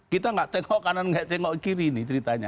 kita nggak tengok kanan nggak tengok kiri